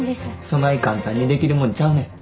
そない簡単にできるもんちゃうねん。